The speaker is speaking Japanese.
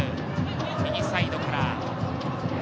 右サイドから。